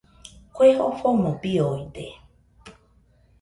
Kue jofomo biooide.